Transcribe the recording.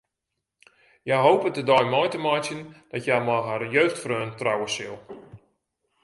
Hja hopet de dei mei te meitsjen dat hja mei har jeugdfreon trouwe sil.